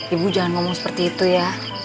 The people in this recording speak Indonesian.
ibu jangan ngomong seperti itu ya